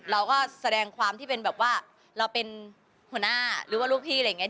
เราก็แสดงความที่เป็นแบบว่าเราเป็นหัวหน้าหรือว่าลูกพี่อะไรอย่างนี้